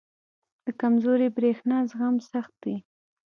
• د کمزوري برېښنا زغم سخت وي.